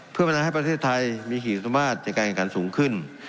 เพื่อพนาคมให้ประเทศไทยมีขี่สุดมากในการการสูงขึ้น